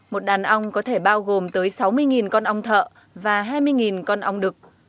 một đàn ong có thể bao gồm tới sáu mươi con ong thợ và hai mươi con ong đực